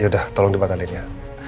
yaudah tolong dibatalkan ya